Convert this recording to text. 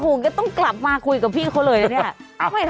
โอ้โหก็ต้องกลับมาคุยกับพี่เขาเลยนะเนี่ย